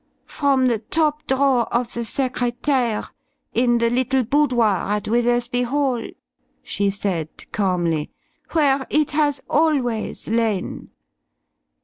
"From the top drawer of the secrétaire in the little boudoir at Withersby Hall," she said calmly, "where it has always lain.